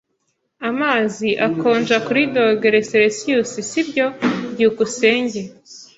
Amazi akonja kuri dogere selisiyusi, sibyo? byukusenge